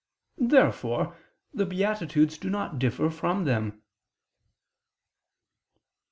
Therefore the beatitudes do not differ from them.